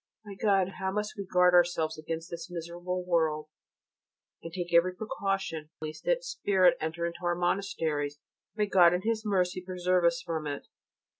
My God, how we must guard ourselves against this miserable world, and take every precaution, lest its spirit enter into our monasteries. May God in His mercy preserve us from it!